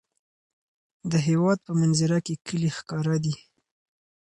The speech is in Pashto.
د هېواد په منظره کې کلي ښکاره دي.